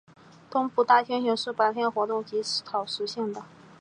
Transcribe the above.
东部大猩猩是白天活动及草食性的。